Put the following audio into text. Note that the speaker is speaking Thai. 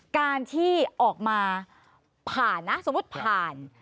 การที่ออกมาผ่านนะสมมุติผ่าน